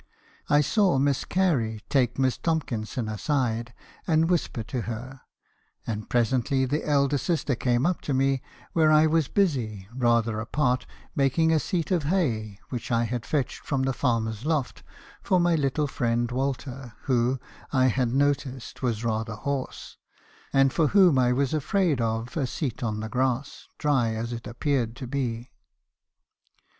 I saw Miss Carry take Miss Tomkinson aside, and whisper to her; and presently the elder sister came up to me , where I was busy, rather apart, making a seat of hay, which I had fetched from the farmer's loft for my little friend Walter, who , 1 had noticed , was rather hoarse , and for whom I was afraid of a seat on the grass , dry as it appeared to be.